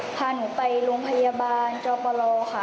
พาหนูไปโรงพยาบาลจอปลค่ะ